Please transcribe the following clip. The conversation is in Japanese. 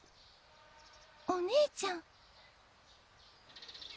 お姉ちゃん。